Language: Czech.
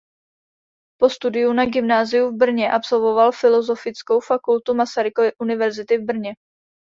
Po studiu na gymnáziu v Brně absolvoval Filozofickou fakultu Masarykovy univerzity v Brně.